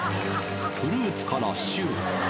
フルーツからしゅー。